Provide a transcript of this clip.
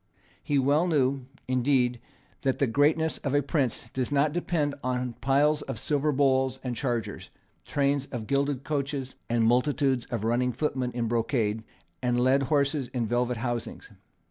He well knew, indeed, that the greatness of a prince does not depend on piles of silver bowls and chargers, trains of gilded coaches, and multitudes of running footmen in brocade, and led horses in velvet housings.